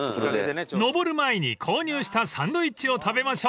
［登る前に購入したサンドイッチを食べましょう］